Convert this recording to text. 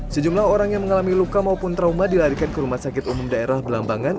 sejumlah orang yang mengalami luka maupun trauma dilarikan ke rumah sakit umum daerah belambangan